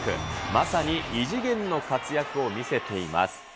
まさに異次元の活躍を見せています。